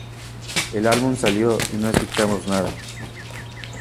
El álbum salió y no escuchamos nada.